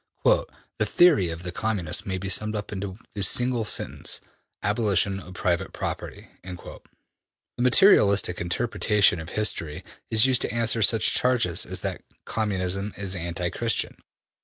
``The theory of the Communists may be summed up in the single sentence: Abolition of private property.'' The materialistic interpretation of history is used to answer such charges as that Communism is anti Christian.